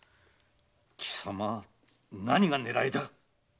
貴様何が狙いだ